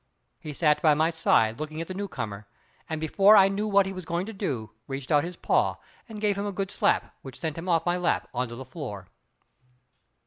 He sat by my side looking at the newcomer and, before I knew what he was going to do, reached out his paw, and gave him a good slap which sent him off my lap onto the floor.